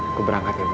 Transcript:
aku berangkat ya bu